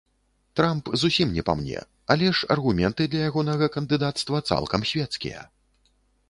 Трамп зусім не па мне, але ж аргументы для ягонага кандыдацтва цалкам свецкія.